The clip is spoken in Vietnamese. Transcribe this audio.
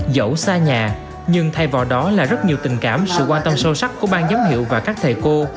dẫu xa nhà nhưng thay vào đó là rất nhiều tình cảm sự quan tâm sâu sắc của ban giám hiệu và các thầy cô